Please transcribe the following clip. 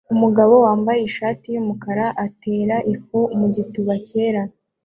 Umugabo wambaye ishati yumukara ateka ifu mugituba cyera